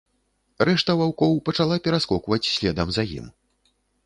Рэшта ваўкоў пачала пераскокваць следам за ім.